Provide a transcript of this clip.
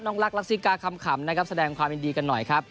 รักรักษิกาคำขำนะครับแสดงความยินดีกันหน่อยครับ